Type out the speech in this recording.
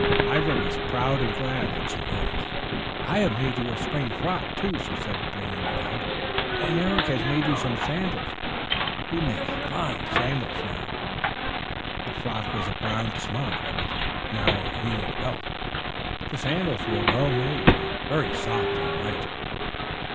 Ivra was proud and glad that she noticed. "I have made you a spring frock too," she said, bringing it out. "And Eric has made you some sandals. He makes fine sandals now!" The frock was a brown smock with a narrow green belt. The sandals were well made, and very soft and light.